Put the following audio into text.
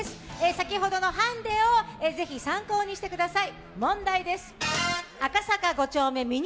先ほどのハンデを参考にしてください。